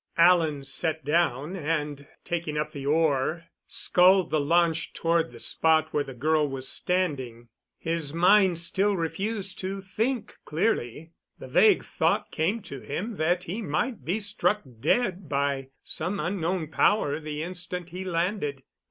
Alan sat down and, taking up the oar, sculled the launch toward the spot where the girl was standing. His mind still refused to think clearly. The vague thought came to him that he might be struck dead by some unknown power the instant he landed.